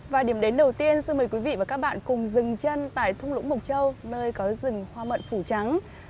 và điểm đến đầu tiên xin mời quý vị và các bạn cùng dừng chân tại thung lũng mộc châu nơi có rừng hoa mận phủ trắng